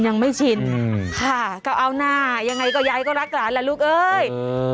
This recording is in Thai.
ค่ะก็เอาหน้ายังไงก็ยายก็รักหลานล่ะลูกเอ้ย